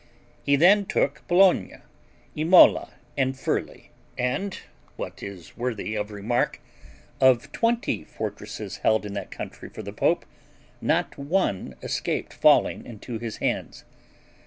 He then took Bologna, Imola, and Furli; and (what is worthy of remark) of twenty fortresses held in that country for the pope, not one escaped falling into his hands.